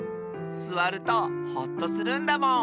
すわるとほっとするんだもん。